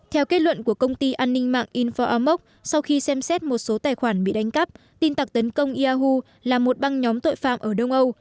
theo kết luận của công ty an ninh mạng infor amok sau khi xem xét một số tài khoản bị đánh cắp tin tặc tấn công yahu là một băng nhóm tội phạm ở đông âu